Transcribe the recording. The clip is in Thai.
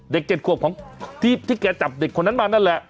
เด็กเจ็ดขวบที่แกจับเด็กคนนั้นมานั่นแหละ